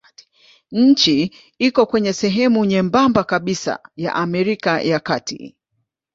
Nchi iko kwenye sehemu nyembamba kabisa ya Amerika ya Kati.